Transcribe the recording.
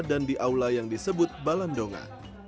dan di aula yang disebut balandonga